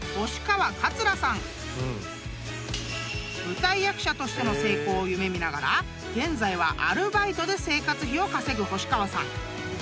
［舞台役者としての成功を夢見ながら現在はアルバイトで生活費を稼ぐ星川さん］